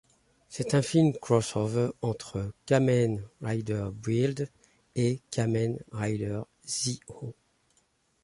C'est un film cross-over entre Kamen Rider Build et Kamen Rider Zi-O.